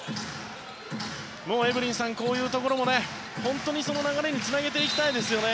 エブリンさん、こういうところも本当にその流れにつなげていきたいですね。